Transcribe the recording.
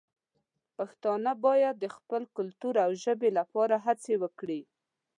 پښتانه باید د خپل کلتور او ژبې لپاره هڅې وکړي.